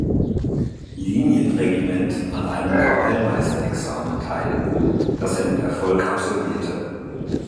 Linien-Regiment an einem Kapellmeister-Examen teil, das er mit Erfolg absolvierte.